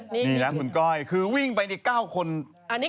นี่นะคุณก้อยคือวิ่งไปนี่๙คน